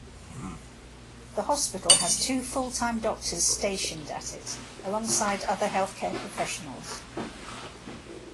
The hospital has two full-time doctors stationed at it, alongside other healthcare professionals.